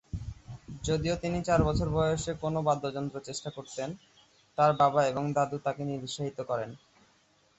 যদিও তিনি চার বছর বয়সে কোনও বাদ্যযন্ত্র চেষ্টা করতেন, তার বাবা এবং দাদু তাকে নিরুৎসাহিত করেন।